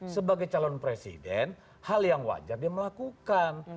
sebagai calon presiden hal yang wajar dia melakukan